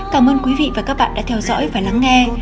cảm ơn quý vị và các bạn đã theo dõi và lắng nghe